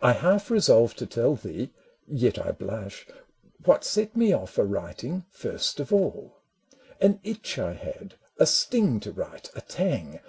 I half resolve to tell thee, yet I blush, What set me off a writing first of all. AN EPISTLE 189 An itch I had, a sting to write, a tang